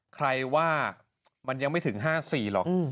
ใครว่ามันยังไม่ถึง๕๔หรอก